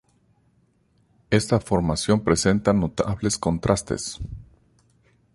Esta formación presenta notables contrastes.